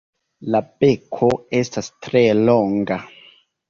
La beko estas tre longa.